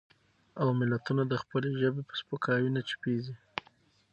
او ملتونه د خپلې ژبې په سپکاوي نه چوپېږي.